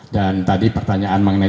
dan tadi pertanyaan mengenai